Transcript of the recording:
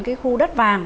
cái khu đất vàng